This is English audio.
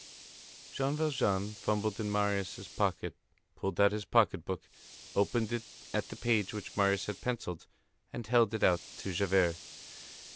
Jean Valjean fumbled in Marius' coat, pulled out his pocket book, opened it at the page which Marius had pencilled, and held it out to Javert.